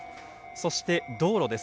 そして道路です。